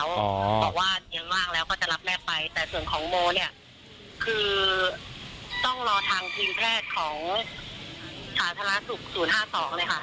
บอกว่าเย็นว่างแล้วก็จะรับแม่ไปแต่ส่วนของโมเนี่ยคือต้องรอทางทีมแพทย์ของสาธารณสุข๐๕๒เลยค่ะ